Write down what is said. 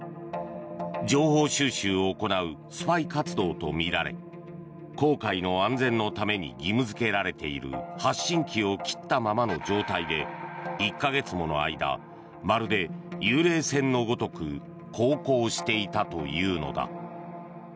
情報収集を行うスパイ活動とみられ航海の安全のために義務付けられている発信機を切ったままの状態で１か月もの間まるで幽霊船のごとく航行していたというのだ。